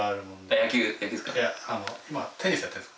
野球ですか？